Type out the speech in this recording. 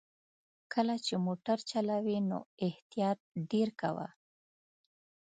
کله چې موټر چلوې نو احتياط ډېر کوه!